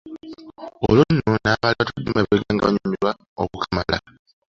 Olwo nno n'abaali batudde emabega nga banyumirwa okukamala.